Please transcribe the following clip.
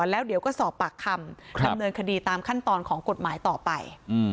แล้วเดี๋ยวก็สอบปากคำดำเนินคดีตามขั้นตอนของกฎหมายต่อไป